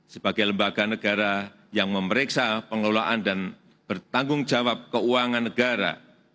sebagai lembaga negara yang memeriksa pengelolaan dan bertanggung jawab keuangan negara